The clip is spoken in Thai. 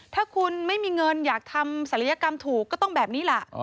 ถ้าคุณไม่มีเงินอยากทำศัลยกรรมถูกก็ต้องแบบนี้ล่ะ